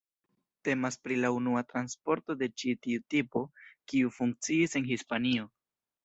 Temas pri la unua transporto de ĉi tiu tipo, kiu funkciis en Hispanio.